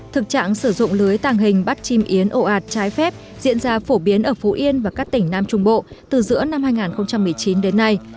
thực trạng sử dụng lưới tàng hình bắt chim yến ổ ạt trái phép diễn ra phổ biến ở phú yên và các tỉnh nam trung bộ từ giữa năm hai nghìn một mươi chín đến nay